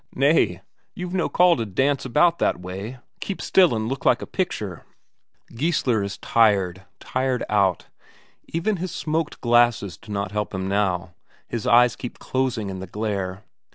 Nay, you've no call to dance about that way; keep still and look like a picture!" Geissler is tired, tired out, even his smoked glasses do not help him now, his eyes keep closing in the glare.